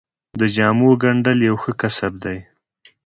د جامو ګنډل یو ښه کسب دی